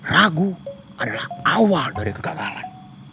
ragu adalah awal dari kegagalan